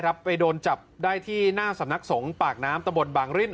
ไปโดนจับได้ที่หน้าสำนักสงฆ์ปากน้ำตะบนบางริ่น